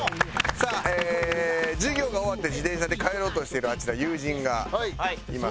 さあ授業が終わって自転車で帰ろうとしてるあちら友人がいます。